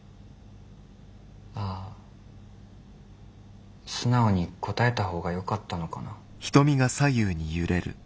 あ素直に答えた方がよかったのかな。